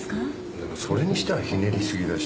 でもそれにしてはひねりすぎだし。